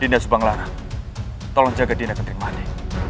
dinda subanglarang tolong jaga dinda kentering mani